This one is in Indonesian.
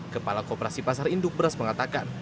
kepala koperasi pasar induk beras mengatakan